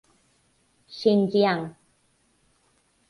Xinjiang.